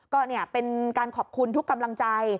ก็เป็นการขอบคุณทุกกำลังใจ